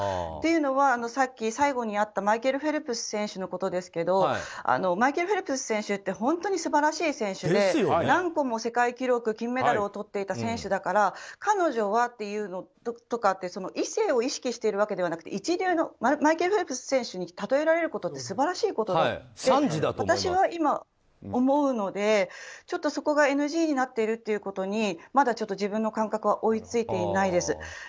っていうのはさっき最後にあったマイケル・フェルプス選手のことですけどマイケル・フェルプス選手って本当に素晴らしい選手で何個も世界記録金メダルをとっていた選手だから彼女はっていうのは異性を意識してるわけじゃなくて一流のマイケル・フェルプス選手に例えられることは素晴らしいことだと私は今、思うのでそこがＮＧになっていることにまだ自分の感覚が追いついていないです。